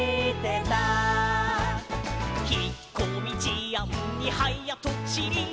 「ひっこみじあんにはやとちり」